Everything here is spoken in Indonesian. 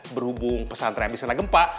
berhubung pesantren abisina gempa